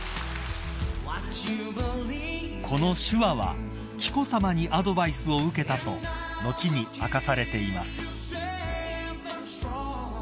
［この手話は紀子さまにアドバイスを受けたと後に明かされています］